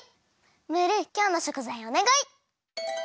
ムールきょうのしょくざいをおねがい！